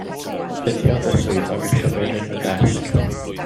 Cuddiodd y swyddog y llyfr yn y ddesg.